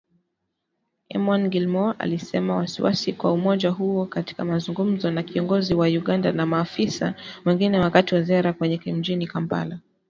Eamon Gilmore alisema wasiwasi wa umoja huo katika mazungumzo na kiongozi wa Uganda na maafisa wengine wakati wa ziara yake mjini kampala.